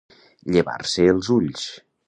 Llevar-se els ulls.